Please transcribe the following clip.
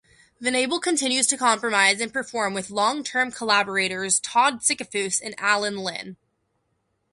Venable continues to compose and perform with longtime-collaborators Todd Sickafoose and Alan Lin.